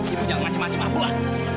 ibu jangan macem macem abuah